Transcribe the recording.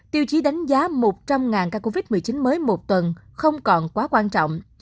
tiêu chí đánh giá một trăm linh ca covid một mươi chín mới một tuần không còn quá quan trọng